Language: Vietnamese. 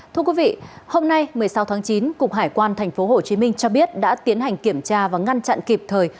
thưa quý vị hôm nay một mươi sáu tháng chín cục hải quan tp hcm cho biết đã tiến hành kiểm tra và ngăn chặn kịp thời